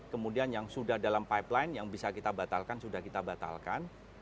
kemudian yang sudah dalam pipeline yang bisa kita batalkan sudah kita batalkan